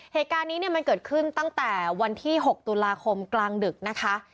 เหตุการณ์นี้เนี่ยมันเกิดขึ้นตั้งแต่วันที่๖ตุลาคมกลางดึกนะคะ